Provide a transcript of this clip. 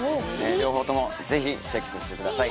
両方ともぜひチェックしてください。